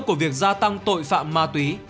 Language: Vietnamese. của việc gia tăng tội phạm ma túy